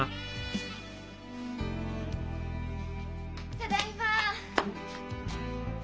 ただいま。